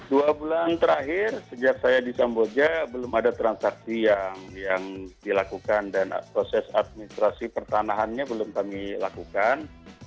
dua bulan terakhir sejak saya di samboja belum ada transaksi yang dilakukan dan proses administrasi pertanahannya belum kami lakukan